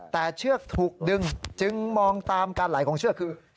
แต่เชือกถูกดึงจึงมองตามการไหลของเชือกคือ